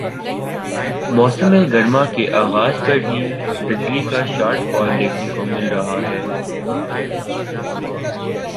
موسم گرما کے آغاز پر ہی بجلی کا شارٹ فال دیکھنے کو مل رہا ہے